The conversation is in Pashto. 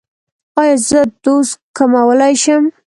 ایا زه دوز کمولی شم؟